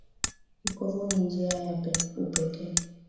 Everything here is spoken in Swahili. Ukovu ni njia ya upekee